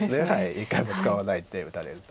１回も使わないで打たれると。